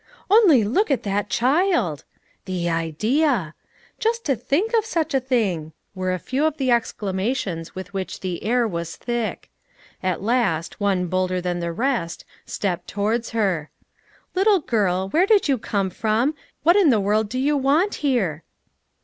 " Only look at that child !" The idea !"" Just to think of such a thing !" were a few of the exclamations with which the air was thick. At last, one bolder than the rest, stepped to wards her :" Little girl, where did you come from ? What in the world do you want here?"